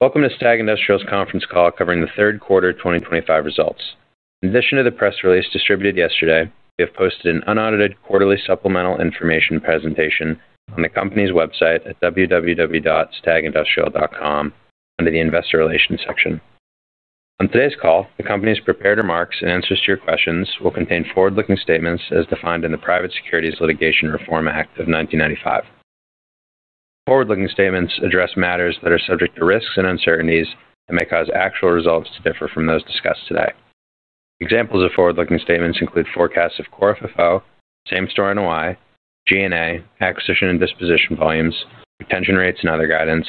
Welcome to STAG Industrial's conference call covering the third quarter 2025 results. In addition to the press release distributed yesterday, we have posted an unaudited quarterly supplemental information presentation on the company's website at www.stagindustrial.com under the Investor Relations section. On today's call, the company's prepared remarks and answers to your questions will contain forward-looking statements as defined in the Private Securities Litigation Reform Act of 1995. Forward-looking statements address matters that are subject to risks and uncertainties and may cause actual results to differ from those discussed today. Examples of forward-looking statements include forecasts of core FFO, same-store cash NOI, G&A, acquisition and disposition volumes, retention rates and other guidance,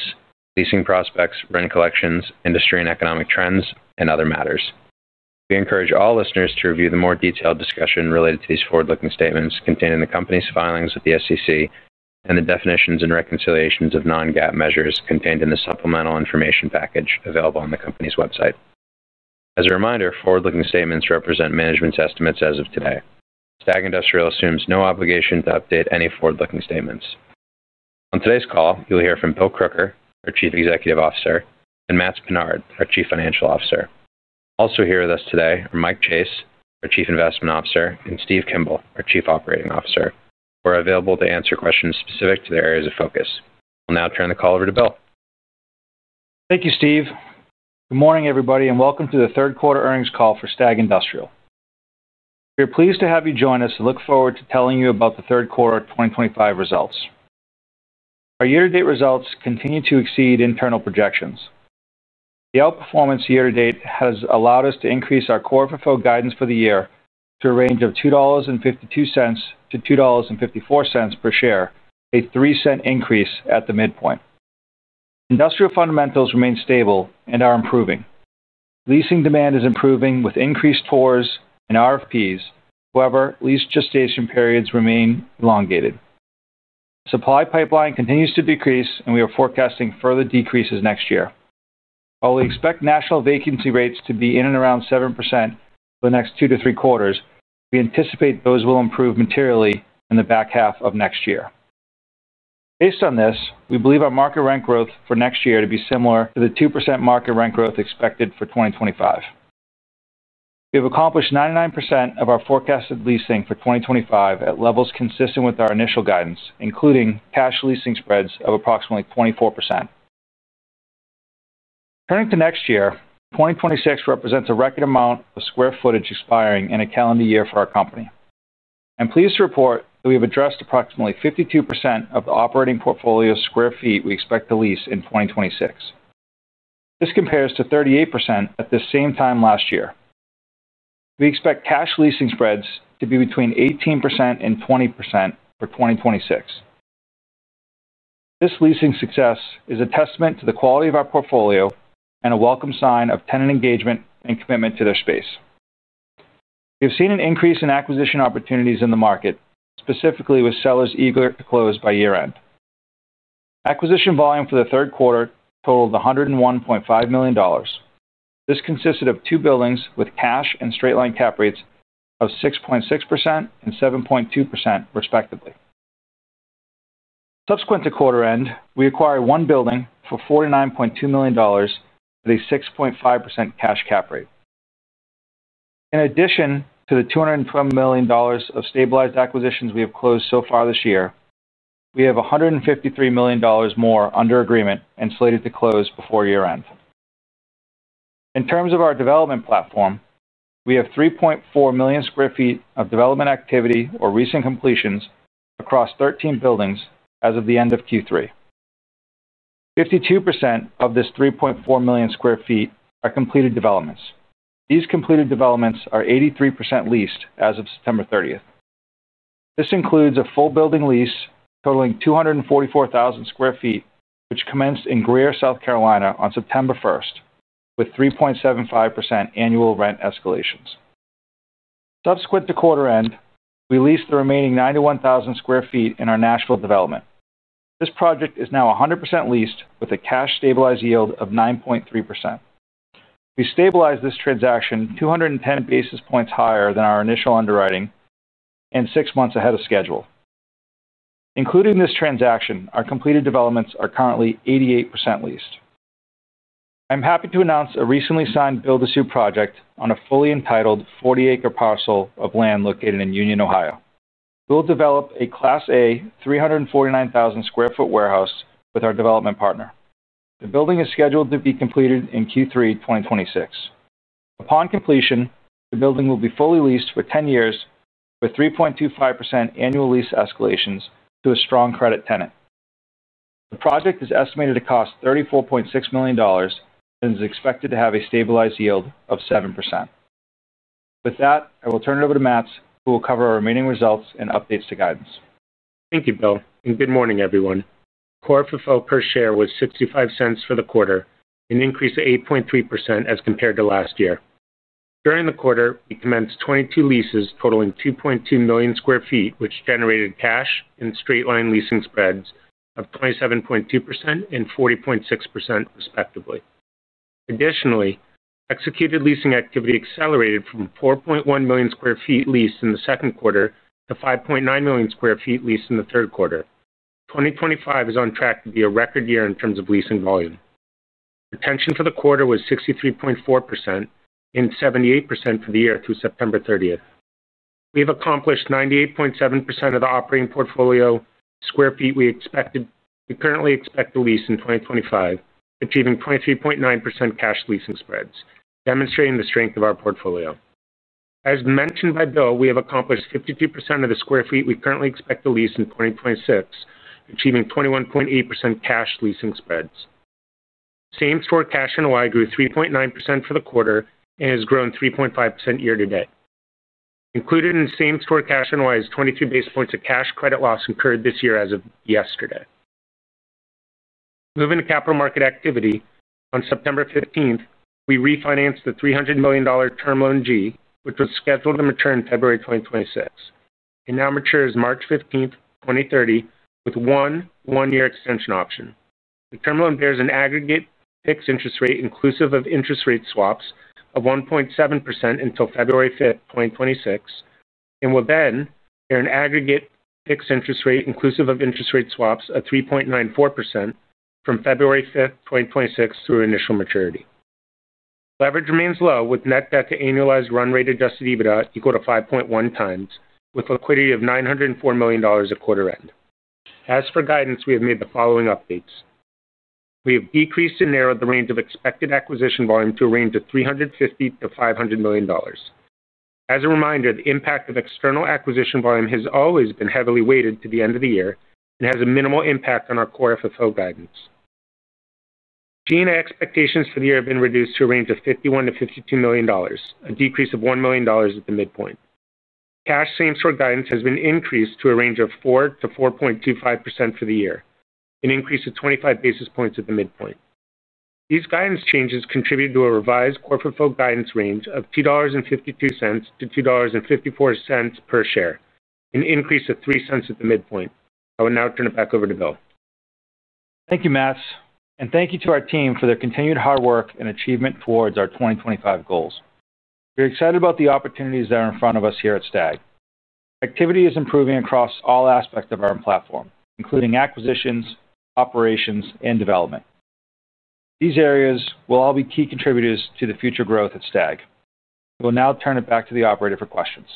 leasing prospects, rent collections, industry and economic trends, and other matters. We encourage all listeners to review the more detailed discussion related to these forward-looking statements contained in the company's filings with the SEC and the definitions and reconciliations of non-GAAP measures contained in the supplemental information package available on the company's website. As a reminder, forward-looking statements represent management's estimates as of today. STAG Industrial assumes no obligation to update any forward-looking statements. On today's call, you'll hear from Bill Crooker, our Chief Executive Officer, and Matts Pinard, our Chief Financial Officer. Also here with us today are Michael Chase, our Chief Investment Officer, and Steven Kimball, our Chief Operating Officer, who are available to answer questions specific to their areas of focus. I'll now turn the call over to Bill. Thank you, Steve. Good morning, everybody, and welcome to the third quarter earnings call for STAG Industrial. We are pleased to have you join us and look forward to telling you about the third quarter 2025 results. Our year-to-date results continue to exceed internal projections. The outperformance year to date has allowed us to increase our core FFO guidance for the year to a range of $2.52-$2.54 per share, a $0.03 increase at the midpoint. Industrial fundamentals remain stable and are improving. Leasing demand is improving with increased tours and RFPs. However, lease gestation periods remain elongated, the supply pipeline continues to decrease, and we are forecasting further decreases next year. While we expect national vacancy rates to be in and around 7% for the next two to three quarters, we anticipate those will improve materially in the back half of next year. Based on this, we believe our market rent growth for next year to be similar to the 2% market rent growth expected for 2025. We have accomplished 99% of our forecasted leasing for 2025 at levels consistent with our initial guidance, including cash leasing spreads of approximately 24%. Turning to next year, 2026 represents a record amount of square footage expiring in a calendar year for our company. I'm pleased to report that we have addressed approximately 52% of the operating portfolio square feet we expect to lease in 2026. This compares to 38% at this same time last year. We expect cash leasing spreads to be between 18% and 20% for 2026. This leasing success is a testament to the quality of our portfolio and a welcome sign of tenant engagement and commitment to their space. We have seen an increase in acquisition opportunities in the market, specifically with sellers eager to close. By year end, acquisition volume for the third quarter totaled $101.5 million. This consisted of two buildings with cash and straight-line cap rates of 6.6% and 7.2%, respectively. Subsequent to quarter end, we acquired one building for $49.2 million at a 6.5% cash cap rate. In addition to the $212 million of stabilized acquisitions we have closed so far this year, we have $153 million more under agreement and slated to close before year end. In terms of our development platform, we have 3.4 million square feet of development activity or recent completions across 13 buildings. As of the end of Q3, 52% of this 3.4 million square feet are completed developments. These completed developments are 83% leased as of September 30. This includes a full building lease totaling 244,000 sq ft which commenced in Greer, South Carolina on September 1 with 3.75% annual rent escalations. Subsequent to quarter end, we leased the remaining 91,000 sq ft in our Nashville development. This project is now 100% leased with a cash stabilized yield of 9.3%. We stabilized this transaction 210 basis points higher than our initial underwriting and six months ahead of schedule. Including this transaction, our completed developments are currently 88% leased. I am happy to announce a recently signed build-to-suit project on a fully entitled 40-acre parcel of land located in Union, Ohio. We will develop a Class A 349,000 sq ft warehouse with our development partner. The building is scheduled to be completed in Q3 2026. Upon completion, the building will be fully leased for 10 years with 3.25% annual lease escalations to a strong credit tenant. The project is estimated to cost $34.6 million and is expected to have a stabilized yield of 7%. With that, I will turn it over to Matts, who will cover our remaining results and updates to guidance. Thank you, Bill, and good morning, everyone. Core FFO per share was $0.65 for the quarter, an increase of 8.3% as compared to last year. During the quarter, we commenced 22 leases totaling 2.2 million sq ft, which generated cash and straight-line leasing spreads of 27.2% and 40.6%, respectively. Additionally, executed leasing activity accelerated from 4.1 million sq ft leased in the second quarter to 5.9 million sq ft leased in the third quarter. 2025 is on track to be a record year in terms of lease and volume. Retention for the quarter was 63.4% and 78% for the year. Through September 30, we have accomplished 98.7% of the operating portfolio sq ft we currently expect to lease in 2025, achieving 23.9% cash leasing spreads, demonstrating the strength of our portfolio. As mentioned by Bill, we have accomplished 52% of the sq ft we currently expect to lease in 2026, achieving 21.8% cash leasing spreads. Same-store cash NOI grew 3.9% for the quarter and has grown 3.5% year to date. Included in the same-store cash NOI is 22 basis points of cash credit loss incurred this year as of yesterday. Moving to capital market activity, on September 15, we refinanced the $300 million term loan G, which was scheduled to mature in February 2026 and now matures March 15, 2030, with one one-year extension option. The term loan bears an aggregate fixed interest rate, inclusive of interest rate swaps, of 1.7% until February 5, 2026, and with an aggregate fixed interest rate, inclusive of interest rate swaps, of 3.94% from February 5, 2026, through initial maturity. Leverage remains low with net debt to annualized run-rate adjusted EBITDA equal to 5.1 times, with liquidity of $904 million at quarter end. As for guidance, we have made the following updates. We have decreased and narrowed the range of expected acquisition volume to a range of $350 million to $500 million. As a reminder, the impact of external acquisition volume has always been heavily weighted to the end of the year and has a minimal impact on our core FFO guidance. G&A expectations for the year have been reduced to a range of $51 million to $52 million, a decrease of $1 million at the midpoint. Cash same-store guidance has been increased to a range of 4% to 4.25% for the year, an increase of 25 basis points at the midpoint. These guidance changes contributed to a revised core FFO guidance range of $2.52-$2.55 per share, an increase of $0.03 at the midpoint. I will now turn it back over to Bill. Thank you, Matts. Thank you to our team for their continued hard work and achievement towards our 2025 goals. We're excited about the opportunities that are in front of us here at STAG. Activity is improving across all aspects of our platform, including acquisitions, operations, and development. These areas will all be key contributors to the future growth at STAG. We will now turn it back to the operator for questions.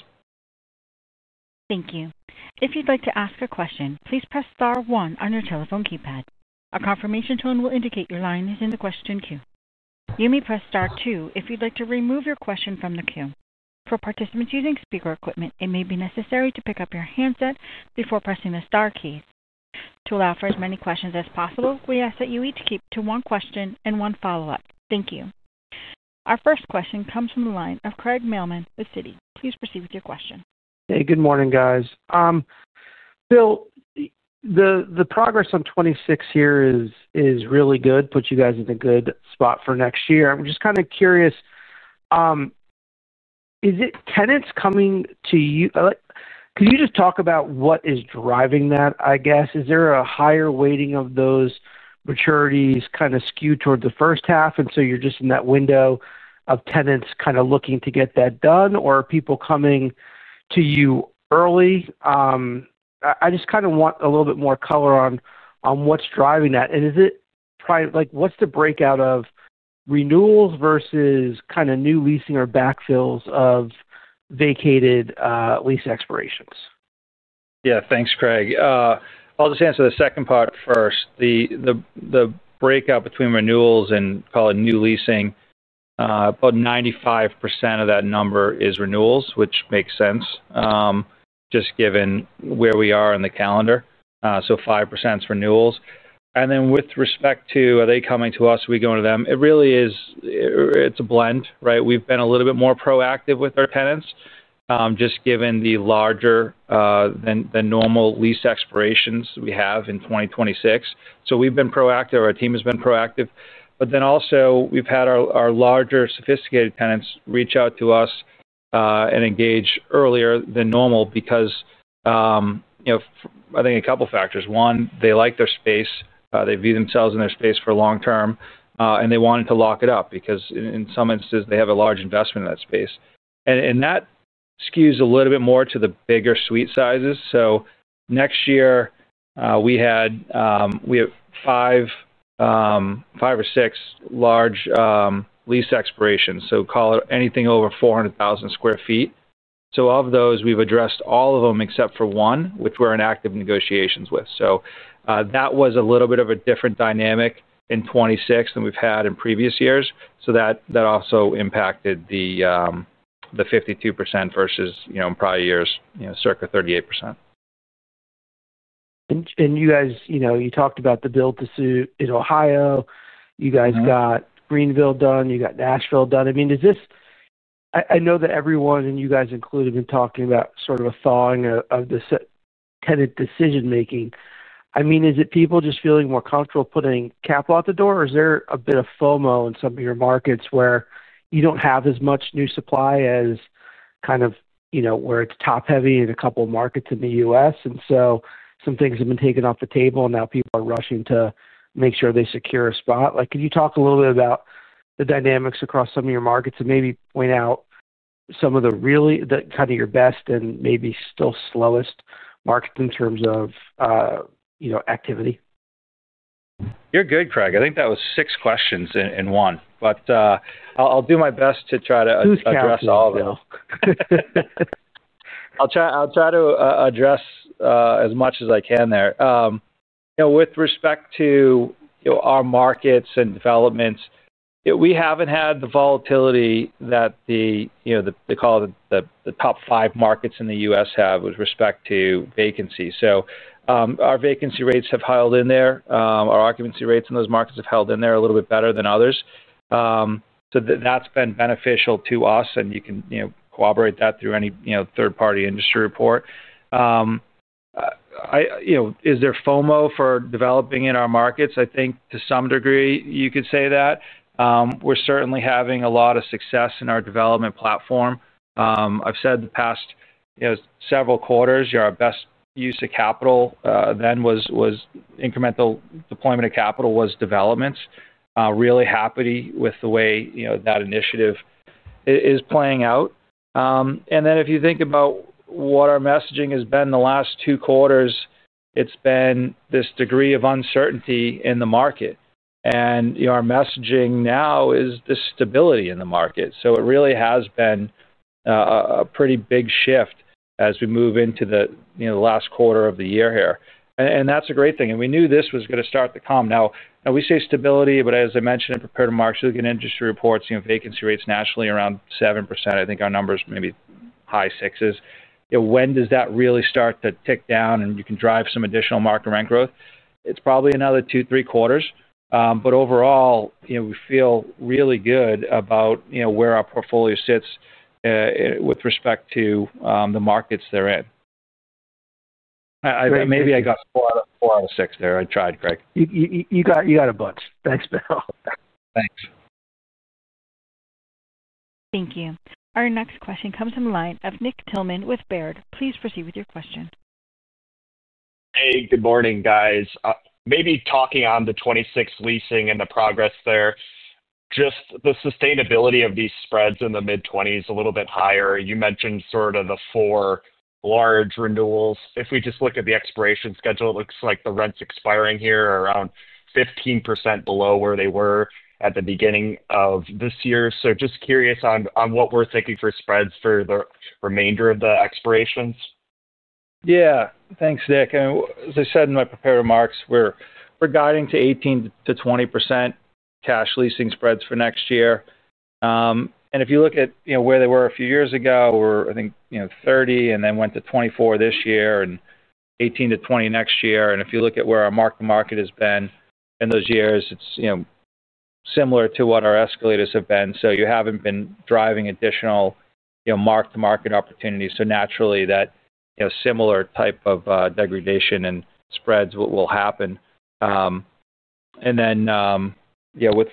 Thank you. If you'd like to ask a question, please press star one on your telephone keypad. A confirmation tone will indicate your line is in the question queue. You may press star two if you'd like to remove your question from the queue. For participants using speaker equipment, it may be necessary to pick up your handset before pressing the Star key to allow for as many questions as possible. We ask that you each keep to one question and one follow-up. Thank you. Our first question comes from the line of Craig Mailman with Citi. Please proceed with your question. Hey, good morning, guys. Bill, the progress on 26 here is really good. Puts you guys in a good spot for next year. I'm just kind of curious. Is it tenants coming to you? Can you just talk about what is driving that? I guess is there a higher weighting of those maturities kind of skewed toward the first half? You're just in that window of tenants kind of looking to get that done or people coming to you early? I just want a little bit more color on what's driving that. Is it like what's the breakout of renewals versus kind of new leasing or backfills of vacated lease expirations? Yeah, thanks, Craig. I'll just answer the second part first. The breakout between renewals and, call it, new leasing, about 95% of that number is renewals, which makes sense just given where we are in the calendar. So 5% is new leasing. With respect to are they coming to us, are we going to them, it really is a blend, right? We've been a little bit more proactive with our tenants just given the larger than normal lease expirations we have in 2026. We've been proactive, our team has been proactive. We've also had our larger, sophisticated tenants reach out to us and engage earlier than normal because I think a couple factors. One, they like their space. They view themselves in their space for long term and they wanted to lock it up because in some instances they have a large investment in that space, and that skews a little bit more to the bigger suite sizes. Next year, we have five or six large lease expirations, so call it anything over 400,000 sq ft. Of those, we've addressed all of them except for one, which we're in active negotiations with. That was a little bit of a different dynamic in 2026 than we've had in previous years. That also impacted the 52% versus, you know, prior years, you know, circa 38%. You talked about the build-to-suit in Ohio. You got Greenville done, you got Nashville done. I mean, is this, I know that everyone, you guys included, have been talking about sort of a thawing of the tenant decision making. I mean, is it people just feeling more comfortable putting capital out the door, or is there a bit of FOMO in some of your markets where you don't have as much new supply as where it's top heavy in a couple of markets in the U.S., and so some things have been taken off the table and now people are rushing to make sure they secure a spot? Can you talk a little bit about the dynamics across some of your markets and maybe point out some of your best and maybe still slowest market in terms of activity? You're good, Craig. I think that was six questions in one. I'll do my best to try to address all. I'll try to address as much as I can there. With respect to our markets and developments, we haven't had the volatility that they call it, the top five markets in the U.S. have with respect to vacancy. Our vacancy rates have held in there, our occupancy rates in those markets have held in there a little bit better than others. That's been beneficial to us and you can corroborate that through any third party industry report. Is there FOMO for developing in our markets? I think to some degree you could say that we're certainly having a lot of success in our development platform. I've said the past several quarters our best use of capital then was incremental deployment of capital, was developments. Really happy with the way that initiative is playing out. If you think about what our messaging has been, the last two quarters, it's been this degree of uncertainty in the market and our messaging now is the stability in the market. It really has been a pretty big shift as we move into the last quarter of the year here. That's a great thing. We knew this was going to start to come. Now we say stability, but as I mentioned in prepared remarks, you look at industry reports, vacancy rates nationally around 7%. I think our numbers may be high sixes. When does that really start to tick down? You can drive some additional market rent growth. It's probably another two, three quarters. Overall we feel really good about where our portfolio sits with respect to the markets they're in. Maybe I got four out of six there. I tried, Craig. You got a bunch. Thanks, Bill. Thanks. Thank you. Our next question comes in line of Nick Thillman with Baird. Please proceed with your question. Hey, good morning guys. Maybe talking on the 26th leasing the progress there, just the sustainability of these spreads in the mid-20s, a little bit higher. You mentioned sort of the four large renewals. If we just look at the expiration schedule, it looks like the rents expiring here, around 15% below where they were at the beginning of this year, just curious on what we're thinking for spreads for the remainder of the expirations. Yeah, thanks, Nick. As I said in my prepared remarks, we're guiding to 18%-20% cash leasing spreads for next year. If you look at where they were a few years ago, I think 30% and then went to 24% this year, 18%-20% next year. If you look at where our mark to market has been in those years, it's similar to what our escalators have been. You haven't been driving additional mark to market opportunities. Naturally, that similar type of degradation in spreads will happen. With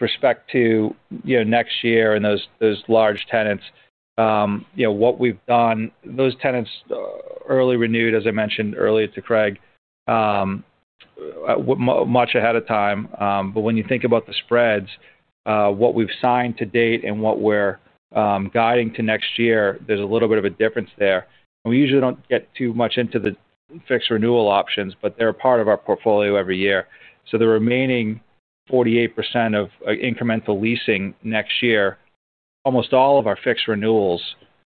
respect to next year and those large tenants, what we've done, those tenants early renewed, as I mentioned earlier to Craig, much ahead of time. When you think about the spreads, what we've signed to date and what we're guiding to next year, there's a little bit of a difference there. We usually don't get too much into the fixed renewal options, but they're a part of our portfolio every year. The remaining 48% of incremental leasing next year, almost all of our fixed renewals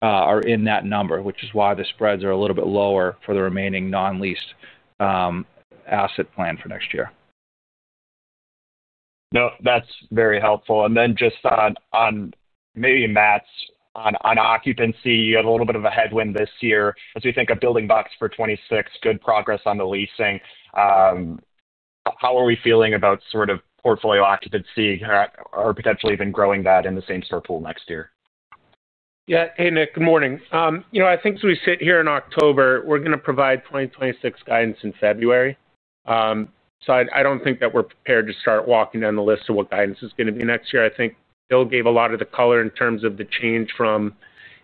are in that number, which is why the spreads are a little bit lower for the remaining non-leased asset plan for next year. No, that's very helpful. On occupancy, Matts, you had a little bit of a headwind this year as we think of building blocks for 2026. Good progress on the leasing. How are we feeling about sort of portfolio occupancy or potentially even growing that in the same-store pool next year? Yeah. Hey, Nick, good morning. I think as we sit here in October, we're going to provide 2026 guidance in February. I don't think that we're prepared to start walking down the list of what guidance is going to be next year. I think Bill gave a lot of the color in terms of the change from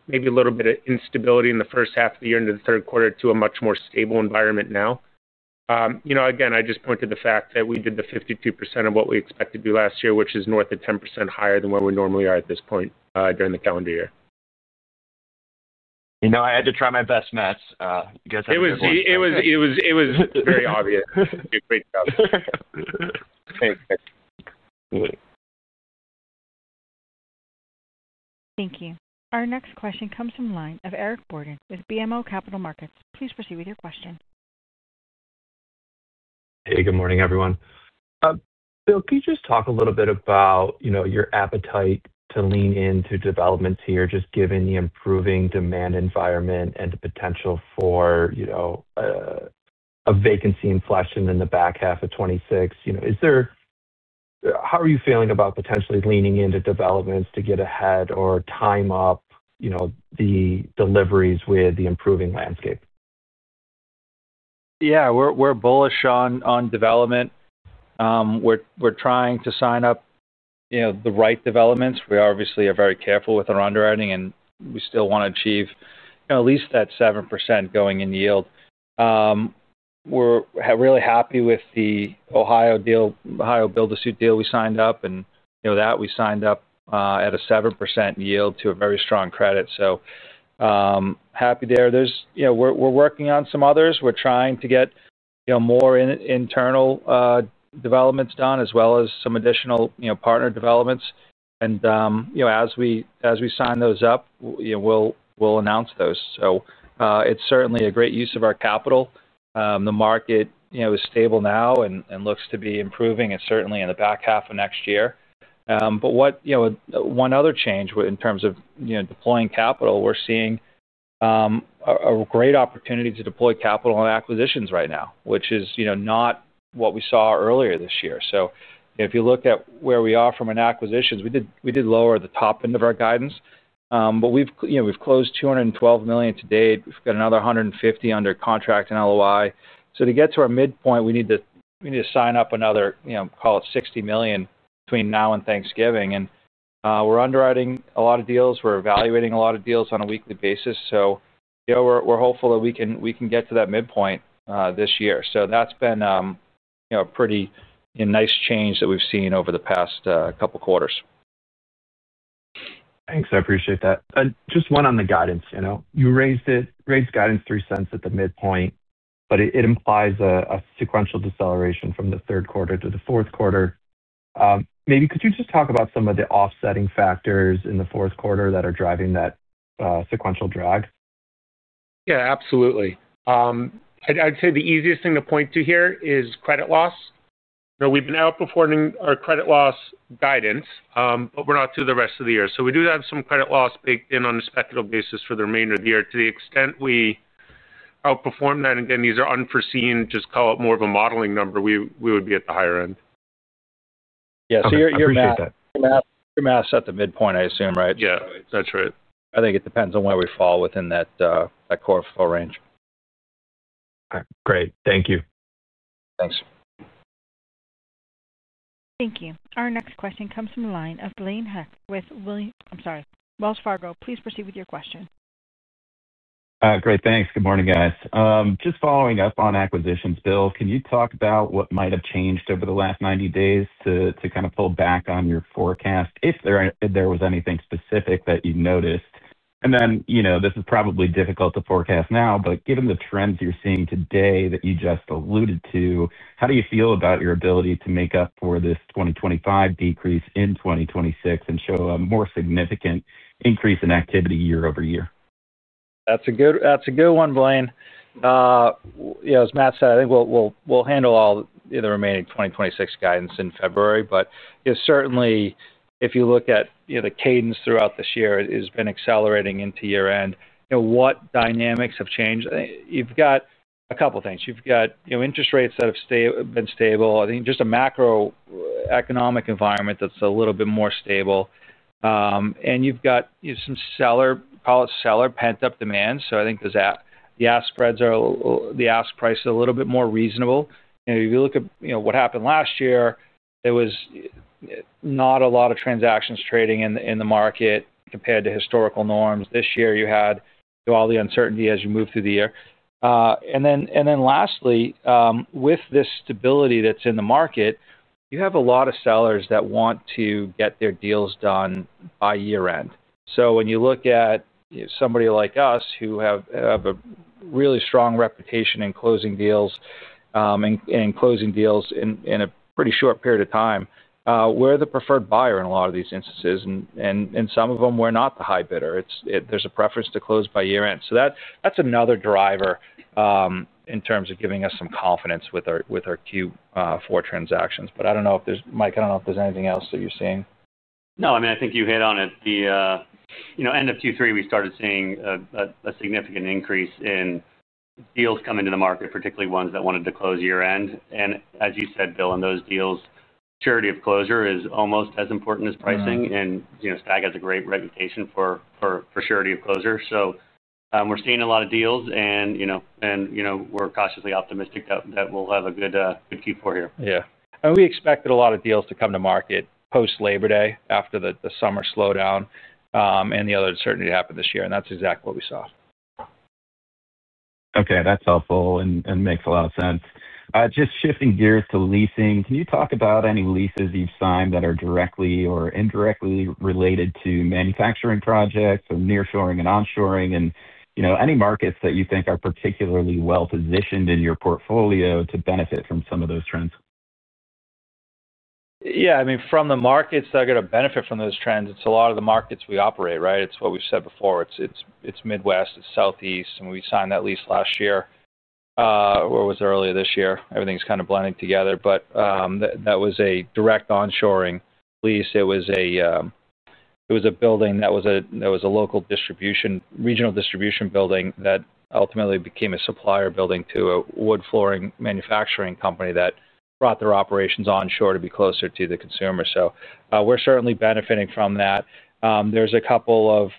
maybe a little bit of instability in the first half of the year into the third quarter to a much more stable environment now. I just point to the fact that we did the 52% of what we expect to do last year, which is north of 10% higher than where we normally are at this point during the calendar year. You know, I had to try my best, Matts. It was very obvious. Thank you. Our next question comes from the line of Eric Borden with BMO Capital Markets. Please proceed with your question. Hey, good morning, everyone. Bill, can you just talk a little bit about your appetite to lean into developments here, just given the improving demand environment and the potential for vacancy inflection in the back half of 2026. How are you feeling about potentially leaning into development to get ahead or time up the deliveries with the improving landscape? Yeah, we're bullish on development. We're trying to sign up the right developments. We obviously are very careful with our underwriting, and we still want to achieve at least that 7% going-in yield. We're really happy with the Ohio deal, the Ohio build-to-suit deal we signed up, and that we signed up at a 7% yield to a very strong credit, so happy there. We're working on some others. We're trying to get more internal developments done as well as some additional partner developments. As we sign those up, we'll announce those. It's certainly a great use of our capital. The market is stable now and looks to be improving, certainly in the back half of next year. One other change in terms of deploying capital, we're seeing a great opportunity to deploy capital on acquisitions right now, which is not what we saw earlier this year. If you look at where we are from an acquisitions standpoint, we did lower the top end of our guidance, but we've closed $212 million to date. We've got another $150 million under contract and LOI. To get to our midpoint, we need to sign up another, call it, $60 million between now and Thanksgiving. We're underwriting a lot of deals, we're evaluating a lot of deals on a weekly basis. We're hopeful that we can get to that midpoint this year. That's been a pretty nice change that we've seen over the past couple quarters. Thanks, I appreciate that. Just one on the guidance. You raised guidance $0.03 at the midpoint, but it implies a sequential deceleration from the third quarter to the fourth quarter. Maybe could you just talk about some of the offsetting factors in the fourth quarter that are driving that sequential drag? Yeah, absolutely. I'd say the easiest thing to point to here is credit loss. We've been outperforming our credit loss guidance, but we're not through the rest of the year. We do have some credit loss baked in on a speculative basis for the remainder of the year. To the extent we outperform that, again, these are unforeseen. Just call it more of a modeling number. We would be at the higher end. Appreciate that. Yeah, so you're math at the midpoint, I assume, right? Yeah, that's right. I think it depends on where we fall within that core FFO range. Great, thank you. Thanks. Thank you. Our next question comes from the line of Blaine Heck with Wells Fargo. Please proceed with your question. Great, thanks. Good morning, guys. Just following up on acquisitions. Bill, can you talk about what might have changed over the last 90 days to kind of pull back on your forecast if there was anything specific that you noticed? This is probably difficult to forecast now, but given the trends you're seeing today that you just alluded to, how do you feel about your ability to make up for this 2025 decrease in 2026 and show a more significant increase in activity year over year? That's a good one, Blaine. As Matts said, I think we'll handle all the remaining 2026 guidance in February. If you look at the cadence throughout this year, it has been accelerating into year end. What dynamics have changed? You've got a couple of things. You've got interest rates that have been stable. I think just a macroeconomic environment that's a little bit more stable. You've got some seller, call it seller, pent up demand. I think the ask price is a little bit more reasonable. If you look at what happened last year, there was not a lot of transactions trading in the market compared to historical norms. This year, you had all the uncertainty as you move through the year and lastly, with this stability that's in the market, you have a lot of sellers that want to get their deals done by year end. When you look at somebody like us who have a really strong reputation in closing deals and closing deals in a pretty short period of time, we're the preferred buyer in a lot of these instances, and some of them we're not the high bidder. There's a preference to close by year end. That's another driver in terms of giving us some confidence with our Q4 transactions. Mike, I don't know if there's anything else that you're seeing. No, I mean, I think you hit on it. The end of Q3, we started seeing a significant increase in deals coming to the market, particularly ones that wanted to close year end. As you said, Bill, in those deals, surety of closure is almost as important as pricing. You know, STAG Industrial has a great reputation for surety of closure. We're seeing a lot of deals and we're cautiously optimistic that we'll have a good Q4 here. Yeah, we expected a lot of deals to come to market post-Labor Day after the summer slowdown and the other uncertainty to happen this year. That's exactly what we saw. Okay, that's helpful and makes a lot of sense. Just shifting gears to leasing, can you talk about any leases you've signed that are directly or indirectly related to manufacturing projects or near shoring and on shoring, and any markets that you think are particularly well positioned in your portfolio to benefit from some of those trends? Yeah, I mean, from the markets that are going to benefit from those trends, it's a lot of the markets we operate. Right. It's what we've said before. It's Midwest, it's Southeast, and we signed that lease last year, or was it earlier this year? Everything's kind of blending together. That was a direct onshoring lease. It was a building that was a local distribution, regional distribution building that ultimately became a supplier building to a wood flooring manufacturing company that brought their operations onshore to be closer to the consumer. We're certainly benefiting from that. There's a couple of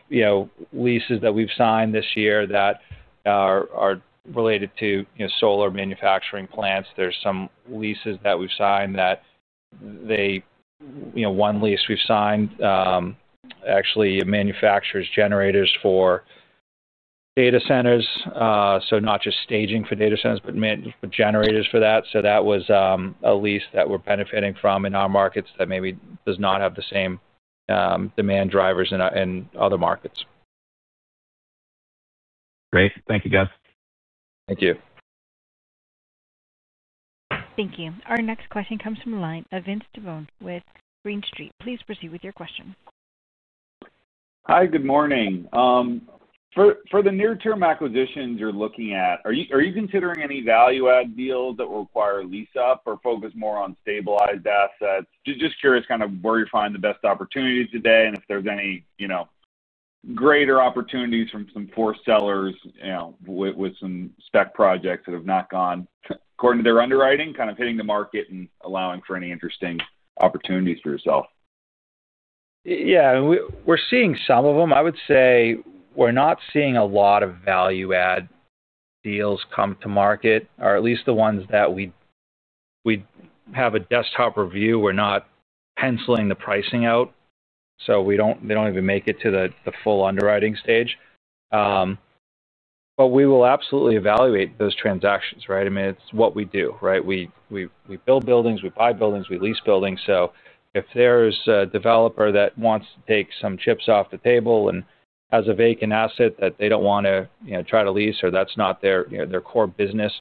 leases that we've signed this year that are related to solar manufacturing plants. There's some leases that we've signed that they, one lease we've signed actually manufactures generators for data centers. Not just staging for data centers, but generators for that. That was a lease that we're benefiting from in our markets that maybe does not have the same demand drivers in other markets. Great. Thank you, guys. Thank you. Thank you. Our next question comes from Vince Tibone with Green Street. Please proceed with your question. Hi, good morning. For the near term acquisitions you're looking at, are you considering any value add deals that require lease up or focus more on stabilized assets? Just curious where you find the best opportunities today and if there's any greater opportunities from some forced sellers with some spec projects that have not gone according to their underwriting, hitting the market and allowing for any interesting opportunities for yourself? Yeah, we're seeing some of them. I would say we're not seeing a lot of value add deals come to market or at least the ones that we have a desktop review, we're not penciling the pricing out, so they don't even make it to the full underwriting stage. We will absolutely evaluate those transactions. Right? I mean it's what we do, right? We build buildings, we buy buildings, we lease buildings. If there's a developer that wants to take some chips off the table and has a vacant asset that they don't want to try to lease or that's not their core business,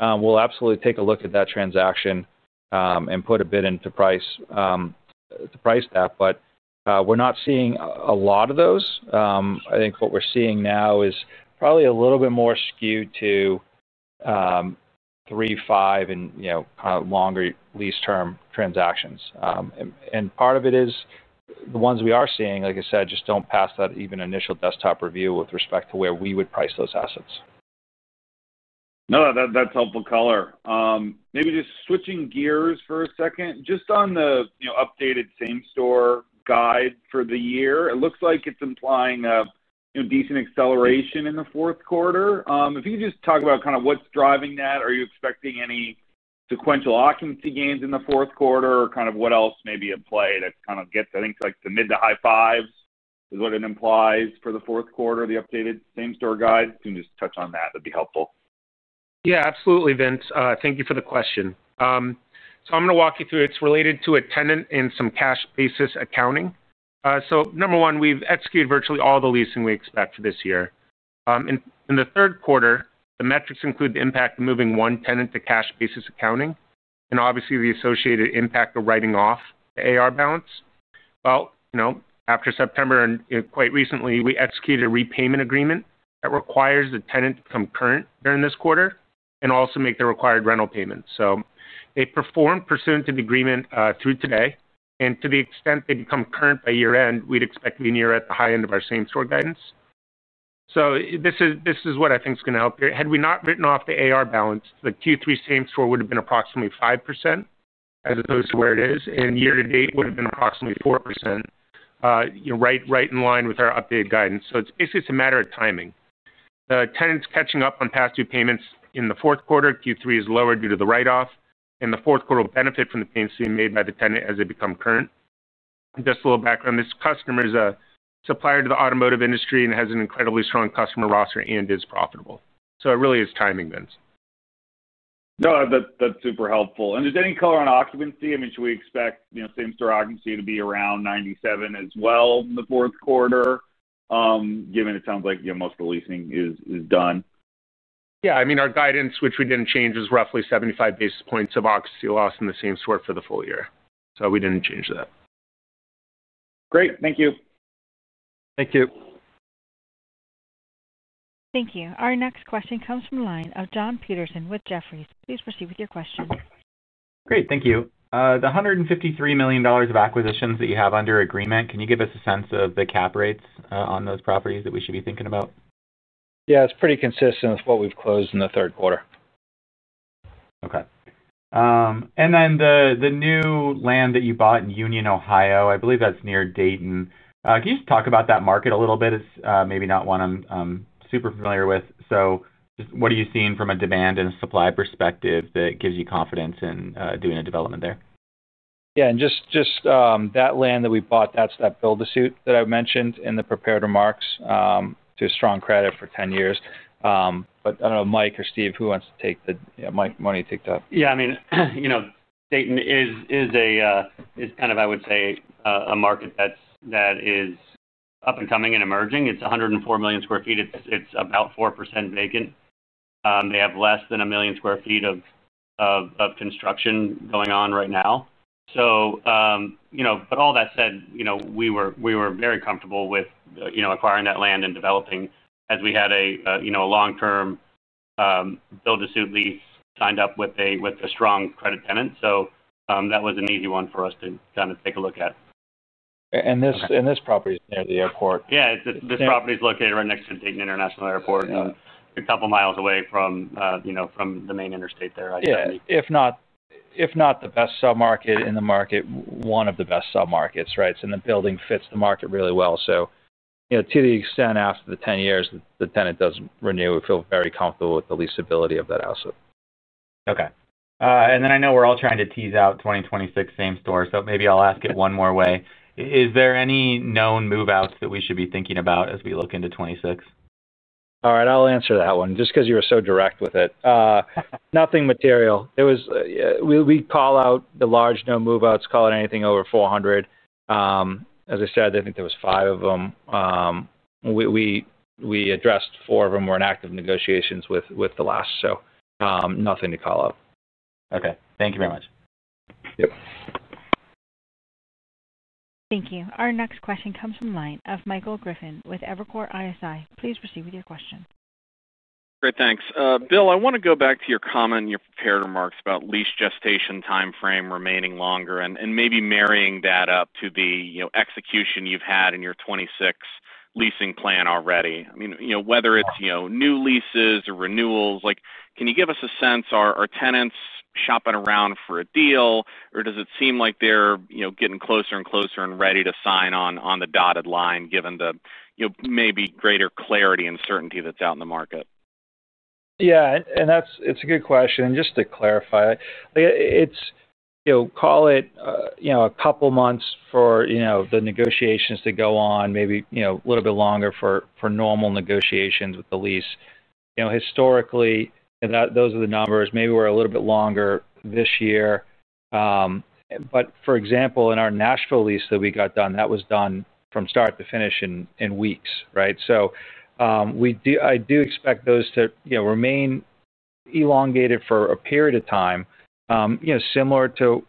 we'll absolutely take a look at that transaction and put a bid in to price that. We're not seeing a lot of those. I think what we're seeing now is probably a little bit more skewed to 3, 5 and longer lease term transactions, and part of it is the ones we are seeing, like I said, just don't pass that even initial desktop review with respect to where we would price those assets. No, that's helpful color. Just switching gears for a second. Just on the updated same-store guide for the year, it looks like it's implying decent acceleration in the fourth quarter. If you could just talk about kind of what's driving that, are you expecting any sequential occupancy gains in the fourth quarter, or what else may be at play? That kind of gets, I think, like the mid to high 5% is what it implies for the fourth quarter. The updated same-store guide, can you just touch on that? That'd be helpful. Yeah, absolutely. Vince, thank you for the question. I'm going to walk you through. It's related to a tenant in some cash basis accounting. Number one, we've executed virtually all the leasing we expect for this year in the third quarter. The metrics include the impact of moving one tenant to cash basis accounting and obviously the associated impact of writing off the AR balance. After September and quite recently, we executed a repayment agreement that requires the tenant to come current during this quarter and also make the required rental payment. They performed pursuant to the agreement through today. To the extent they become current by year end, we'd expect to be near at the high end of our same-store guidance. This is what I think is going to help here. Had we not written off the AR balance, the Q3 same-store would have been approximately 5% as opposed to where it is, and year to date would have been approximately 4%, right in line with our updated guidance. It's basically a matter of timing, tenants catching up on past due payments. In the fourth quarter, Q3 is lower due to the write-off, and the fourth quarter will benefit from the payments being made by the tenant as they become current. Just a little background, this customer is a supplier to the automotive industry and has an incredibly strong customer roster and is profitable. It really is timing, Vince. That's super helpful. Is there any color on occupancy? Should we expect same-store occupancy to be around 97% as well in the fourth quarter, given it sounds like most of leasing is done? Yeah, I mean, our guidance, which we didn't change, is roughly 75 basis points of occupancy loss in the same-store for the full year. We didn't change that. Great, thank you. Thank you. Thank you. Our next question comes from the line of John Petersen with Jefferies. Please proceed with your question. Great, thank you. The $153 million of acquisitions that you have under agreement, can you give us a sense of the cap rates on those properties that we should be thinking about? Yeah, it's pretty consistent with what we've closed in the third quarter. Okay. The new land that you bought in Union, Ohio, I believe that's near Dayton. Can you just talk about that market a little bit? It's maybe not one I'm super familiar with. What are you seeing from a demand and supply perspective that gives you confidence in doing a development there? Yeah, just that land that we bought, that's that build-to-suit that I mentioned in the prepared remarks to a strong credit for 10 years. I don't know, Mike or Steve, who wants to take the—Mike, why don't you take that? Yeah, I mean, you know, Dayton is kind of, I would say, a market that is up and coming and emerging. It's 104 million sq ft. It's about 4% vacant. They have less than a million square feet of construction going on right now. All that said, we were very comfortable with, you know, acquiring that land and developing as we had a, you know, long-term build-to-suit lease signed up with a strong credit tenant. That was an easy one for us to kind of take a look at. Is this property near the airport? Yeah, this property is located right next to Dayton International Airport, a couple miles away from the main interstate there. If not the best sub market in the market, one of the best sub markets. Right. The building fits the market really well. To the extent after the 10 years the tenant does renew, we feel very comfortable with the leasability of that asset. Okay. I know we're all trying to tease out 2026 same-store, so maybe I'll ask it one more way. Is there any known move outs that we should be thinking about as we look into 2026? All right, I'll answer that one just because you were so direct with it. Nothing material. We call out the large no move outs, call it anything over $400. As I said, I think there were five of them we addressed. Four of them were in active negotiations with the last. Nothing to call up. Okay, thank you very much. Thank you. Our next question comes from the line of Michael Griffin with Evercore ISI. Please proceed with your question. Great, thanks. Bill, I want to go back to your comment in your prepared remarks about lease gestation timeframe remaining longer and maybe marrying that up to the execution you've had in your 2026 leasing plan already, whether it's new leases or renewals. Can you give us a sense? Are tenants shopping around for a deal, or does it seem like they're getting closer and closer and ready to sign on the dotted line, given the maybe greater clarity and certainty that's out in the market? Yeah, it's a good question. Just to clarify, call it a couple months for the negotiations to go on, maybe a little bit longer for normal negotiations with the lease. Historically, those are the numbers. Maybe we're a little bit longer this year. For example, in our Nashville lease that we got done, that was done from start to finish in weeks. I do expect those to remain elongated for a period of time similar to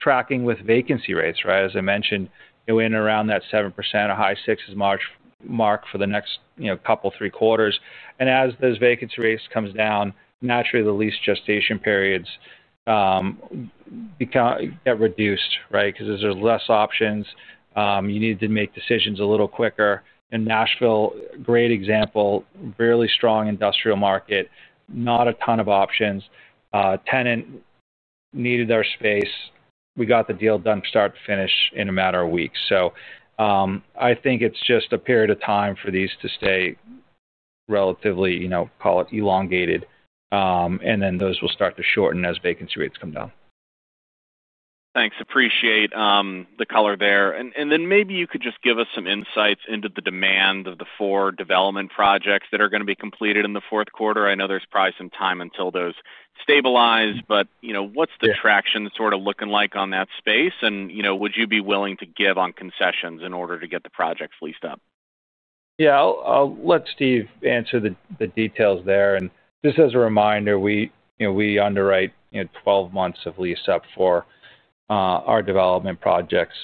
tracking with vacancy rates, as I mentioned, in around that 7% or high sixes March 4th mark for the next couple quarters. As those vacancy rates come down, naturally the lease gestation periods get reduced, right, because there's less options, you need to make decisions a little quicker. In Nashville, great example, really strong industrial market, not a ton of options. Tenant needed their space, we got the deal done, start to finish in a matter of weeks. I think it's just a period of time for these to stay relatively, you know, call it elongated. Those will start to shorten as vacancy rates come down. Thanks, appreciate the color there. Maybe you could just give us some insights into the demand of the four development projects that are going to be completed in the fourth quarter. I know there's probably some time until those stabilize, but what's the traction sort of looking like on that space? Would you be willing to give on concessions in order to get the projects leased up? Yeah, I'll let Steve answer the details there. Just as a reminder, we underwrite 12 months of lease up for our development projects.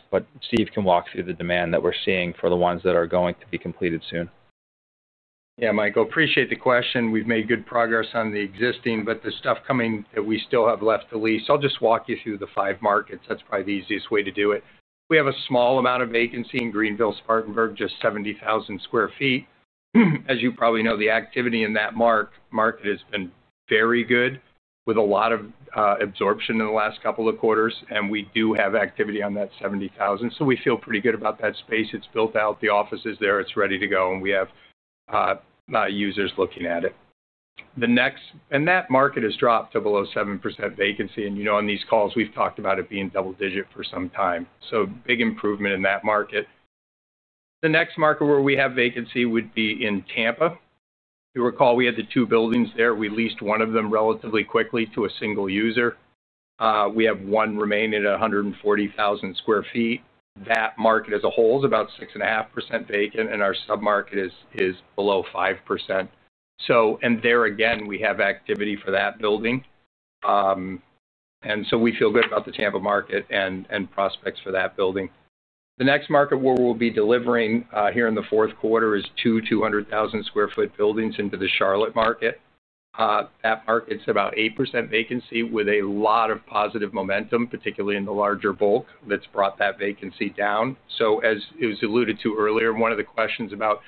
Steve can walk through the demand that we're seeing for the ones that are going to be completed soon. Yeah, Michael, appreciate the question. We've made good progress on the existing, but the stuff coming that we still have left to lease. I'll just walk you through the five markets. That's probably the easiest way to do it. We have a small amount of vacancy in Greenville, Spartanburg, just 70,000 sq ft. As you probably know, the activity in that market has been very good, with a lot of absorption in the last couple of quarters. We do have activity on that 70,000. We feel pretty good about that space. It's built out, the office is there, it's ready to go, and we have users looking at it next. That market has dropped to below 7% vacancy. You know, on these calls we've talked about it being double digit for some time. Big improvement in that market. The next market where we have vacancy would be in Tampa. You recall, we had the two buildings there, we leased one of them relatively quickly to a single user. We have one remaining at 140,000 sq ft. That market as a whole is about 6.5% vacant and our sub market is below 5%. So there again we have activity for that building, and we feel good about the Tampa market and prospects for that building. The next market where we'll be delivering here in the fourth quarter is two 200,000 sq ft buildings into the Charlotte market. That market's about 8% vacancy with a lot of positive momentum, particularly in the larger bulk that's brought that vacancy down. As it was alluded to earlier, one of the questions about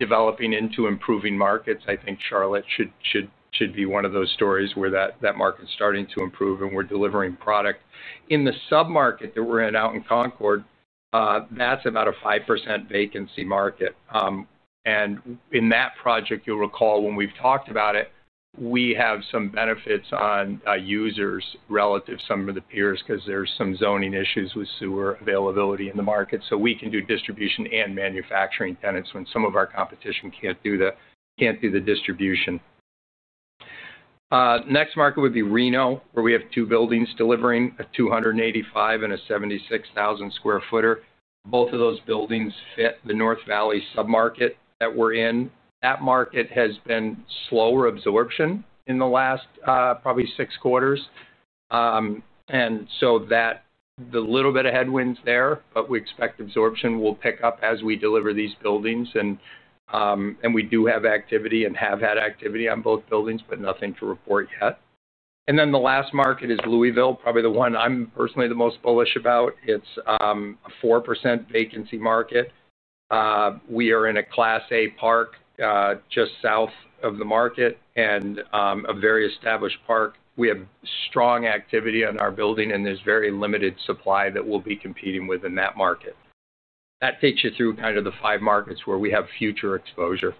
developing into improving markets, I think Charlotte should be one of those stories where that market is starting to improve, and we're delivering product in the submarket that we're in out in Concord. That's about a 5% vacancy market. In that project, you'll recall when we've talked about it, we have some benefits on users relative to some of the peers because there's some zoning issues with sewer availability in the market. We can do distribution and manufacturing tenants when some of our competition can't do the distribution. The next market would be Reno, where we have two buildings delivering, a 285,000 and a 76,000 square footer. Both of those buildings fit the North Valley submarket that we're in. That market has been slower absorption in the last probably six quarters, and there are a little bit of headwinds there. We expect absorption will pick up as we deliver these buildings. And we do have activity and have had activity on both buildings, but nothing to report yet. The last market is Louisville, probably the one I'm personally the most bullish about. It's a 4% vacancy market. We are in a Class A park just south of the market and a very established park. We have strong activity on our building, and there's very limited supply that we'll be competing with in that market. That takes you through kind of the five markets where we have future exposure.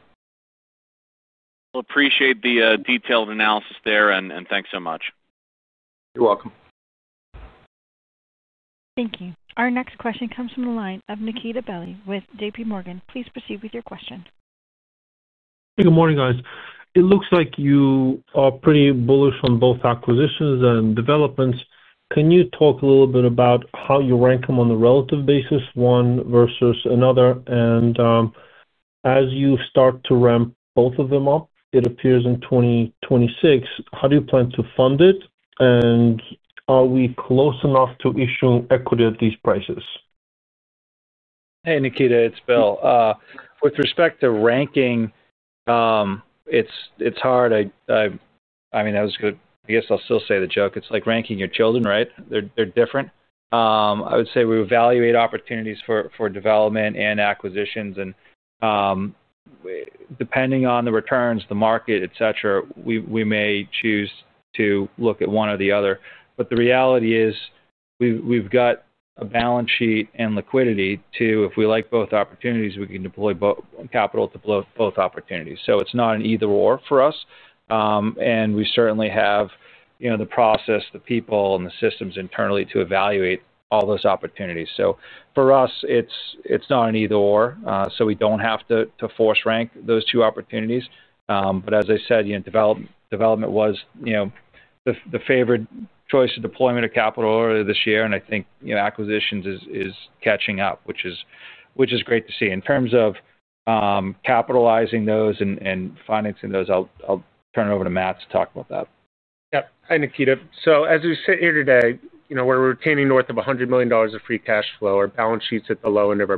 Appreciate the detailed analysis there, and thanks so much. You're welcome. Thank you. Our next question comes from the line of Nikita Belly with JPMorgan. Please proceed with your question. Good morning, guys. It looks like you are pretty bullish on both acquisitions and development. Can you talk a little bit about how you rank them on a relative basis, one versus another? As you start to ramp both of them up, it appears in 2026. How do you plan to fund it? Are we close enough to issue equity at these prices? Hey, Nikita, it's Bill. With respect to ranking, it's hard. I mean, that was good. I guess I'll still say the joke. It's like ranking your children, right? They're different. I would say we evaluate opportunities for development and acquisitions. And depending on the returns, the market, et cetera, we may choose to look at one or the other. The reality is we've got a balance sheet and liquidity too. If we like both opportunities, we can deploy capital to both opportunities. It's not an either or for us. We certainly have the process, the people, and the systems internally to evaluate all those opportunities. For us, it's not an either or, so we don't have to force rank those two opportunities. As I said, development was the favored choice of deployment of capital earlier this year. I think acquisitions is catching up, which is great to see. In terms of capitalizing those and financing those, I'll turn it over to Matts to talk about that. Yep. Hi, Nikita. As we sit here today, you know we're retaining north of $100 million of free cash flow. Our balance sheet's at the low end of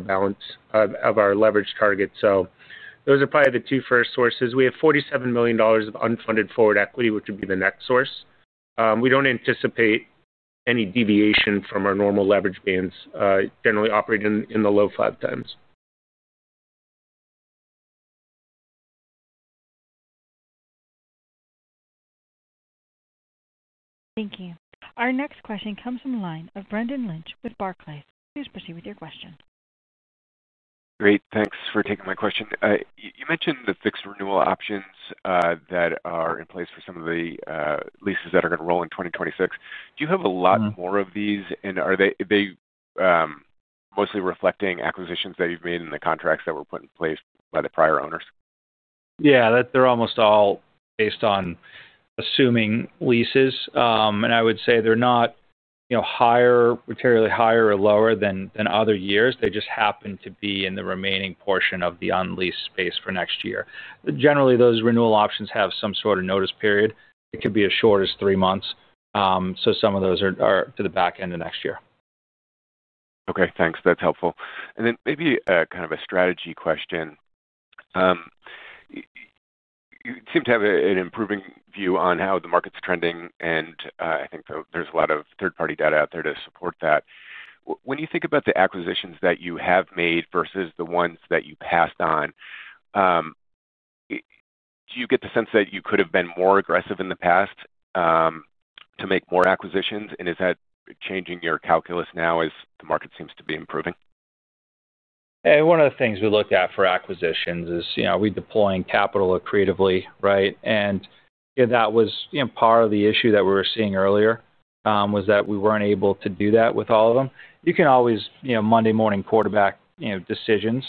our leverage target. Those are probably the two first sources. We have $47 million of unfunded forward equity, which would be the next source. We don't anticipate any deviation from our normal leverage bands. We generally operate in the low 5x. Thank you. Our next question comes from the line of Brendan Lynch with Barclays. Please proceed with your question. Great. Thanks for taking my question. You mentioned the fixed renewal options that are in place for some of the leases that are going to roll in 2026. Do you have a lot more of these? Are they mostly reflecting acquisitions that you've made in the contracts that were put in place by the prior owners? Yeah, they're almost all based on assuming leases. I would say they're not materially higher or lower than other years. They just happen to be in the remaining portion of the unleased space for next year. Generally, those renewal options have some sort of notice period. It could be as short as three months, so some of those are to the back end of next year. Okay, thanks, that's helpful. Maybe kind of a strategy question. You seem to have an improving view on how the market's trending. I think there's a lot of third party data out there to support that. When you think about the acquisitions that you have made versus the ones that you passed on, do you get the sense that you could have been more aggressive in the past to make more acquisitions? Is that changing your calculus now as the market seems to be improving? One of the things we look at for acquisitions is we are deploying capital accretively. That was part of the issue that we were seeing earlier, that we weren't able to do that with all of them. You can always Monday morning quarterback decisions.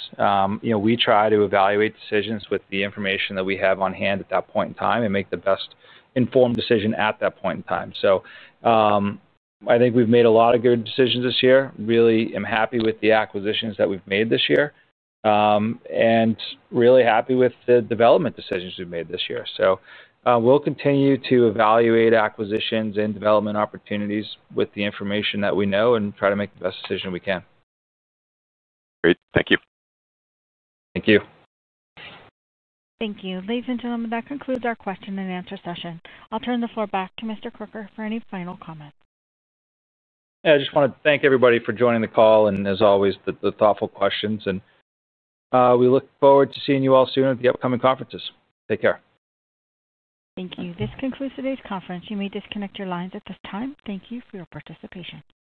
We try to evaluate decisions with the information that we have on hand at that point in time and make the best informed decision at that point in time. I think we've made a lot of good decisions this year. Really am happy with the acquisitions that we've made this year and really happy with the development decisions we've made this year. We will continue to evaluate acquisitions and development opportunities with the information that we know and try to make the best decision we can. Great. Thank you. Thank you. Thank you. Ladies and gentlemen, that concludes our question and answer session. I'll turn the floor back to Mr. Crooker for any final comments. I just want to thank everybody for joining the call and, as always, the thoughtful questions. We look forward to seeing you all soon at the upcoming conferences. Take care. Thank you. This concludes today's conference. You may disconnect your lines at this time. Thank you for your participation.